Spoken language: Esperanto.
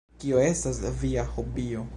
Kio estas via hobio?